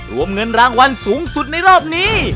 รวมเงินรางวัลสูงสุดในรอบนี้